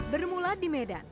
bermula di medan